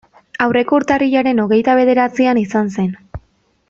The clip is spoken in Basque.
Aurreko urtarrilaren hogeita bederatzian izan zen.